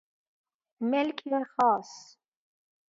ملک خاص